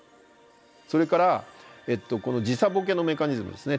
それからこの時差ボケのメカニズムですね。